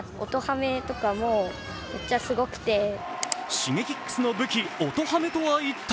Ｓｈｉｇｅｋｉｘの武器、音ハメとは一体？